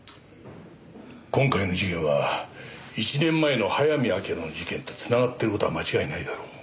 今回の事件は１年前の早見明の事件と繋がっている事は間違いないだろう。